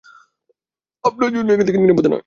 আপনার জন্য এখানে থাকে নিরাপদ নয়।